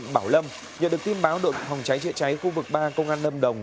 bảo lâm nhờ được tin báo đội hòng cháy chữa cháy khu vực ba công an lâm đồng